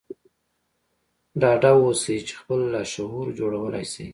ډاډه اوسئ چې خپل لاشعور جوړولای شئ